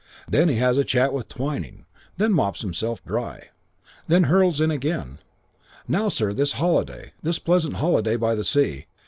Then he has a chat with Twyning, then mops himself dry, and then hurls in again. "'Now, sir, this holiday. This pleasant holiday by the sea!